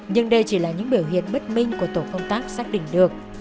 nhưng đây chỉ là những biểu hiện bất minh của tổ công tác xác định được